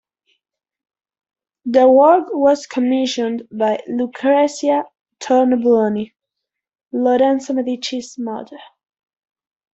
The work was commissioned by Lucrezia Tornabuoni, Lorenzo Medici's mother.